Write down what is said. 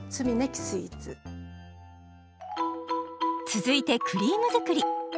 続いてクリーム作り。